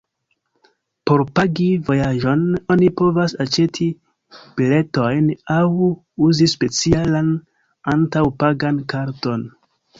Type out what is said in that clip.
Por pagi vojaĝon oni povas aĉeti biletojn aŭ uzi specialan antaŭ-pagan karton.